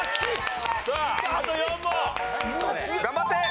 さああと４問！頑張って！